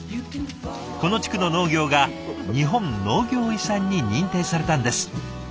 この地区の農業が日本農業遺産に認定されたんです。